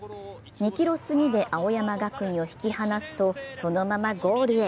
２ｋｍ過ぎで青山学院を引き離すと、そのままゴールへ。